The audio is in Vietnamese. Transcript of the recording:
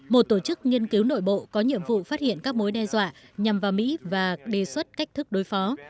một tổ chức nghiên cứu nội bộ có nhiệm vụ phát hiện các mối đe dọa nhằm vào mỹ và đề xuất cách thức đối phó